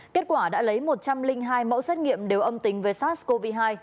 kết quả đã lấy một trăm linh hai mẫu xét nghiệm đều âm tính với sars cov hai